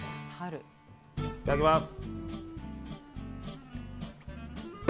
いただきます。